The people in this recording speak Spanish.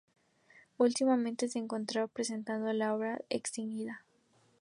Últimamente se encontraba presentando la obra "Extinguidas".